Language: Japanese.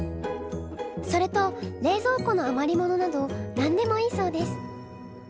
それと冷蔵庫のあまりものなど何でもいいそうです。